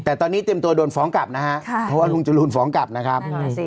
แต่ตอนนี้เตรียมตัวโดนฟ้องกลับนะฮะเพราะว่าลุงจรูนฟ้องกลับนะครับ